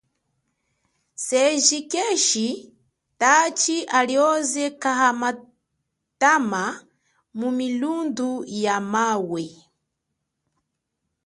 Seji keeshi tachi alioze kaathama mu milundu ya mawe.